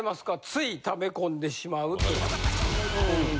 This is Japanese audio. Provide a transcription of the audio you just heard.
つい溜め込んでしまうという。